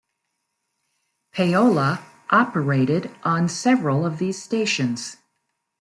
Payola operated on several of these stations.